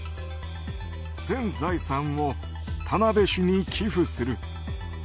「全財産を田辺市にキフする」。